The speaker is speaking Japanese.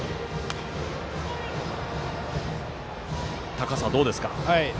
高さはどうですか？